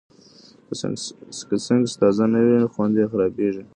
که سنکس تازه نه وي، خوند یې خرابېږي.